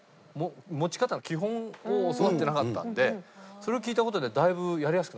持ち方の基本を教わってなかったのでそれを聞いた事でだいぶやりやすくなってまた。